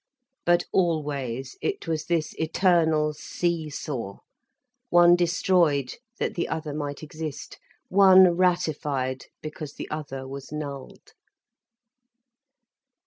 But always it was this eternal see saw, one destroyed that the other might exist, one ratified because the other was nulled.